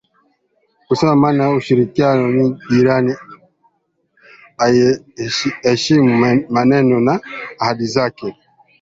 kusema maana ya ushirikiano na jirani aiyeheshimu maneno na ahadi zake